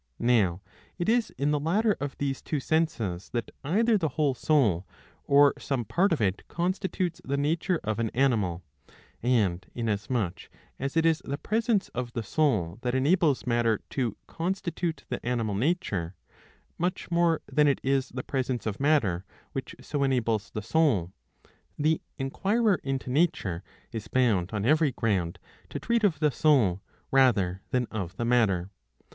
i'^ Now it is in the latter of these two senses that either the whole soul or some part of it constitutes the nature of an animal ; and inasmuch as it is the presence of the soul that enables matter to constitute the animal nature, much more than it is the presence of matter which so enables the soul, the enquirer into nature is bound on every ground to treat of the soul rather than of the matter.